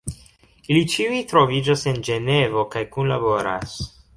Ili ĉiuj troviĝas en Ĝenevo kaj kunlaboras.